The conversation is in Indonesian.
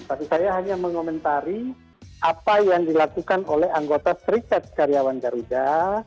tapi saya hanya mengomentari apa yang dilakukan oleh anggota serikat karyawan garuda